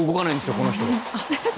この人。